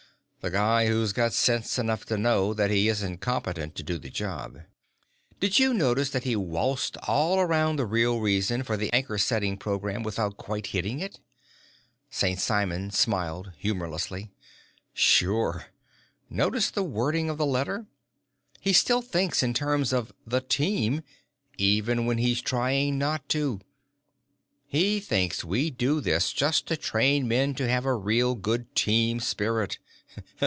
The guy who's got sense enough to know that he isn't competent to do the job." "Did you notice that he waltzed all around the real reason for the anchor setting program without quite hitting it?" St. Simon smiled humorlessly. "Sure. Notice the wording of the letter. He still thinks in terms of the Team, even when he's trying not to. He thinks we do this just to train men to have a real good Team Spirit.